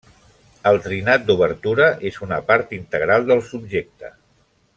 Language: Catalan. El trinat d'obertura és una part integral del subjecte.